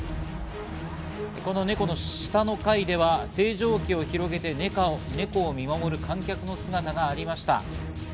このネコの下の階では星条旗を広げてネコを見守る観客の姿がありました。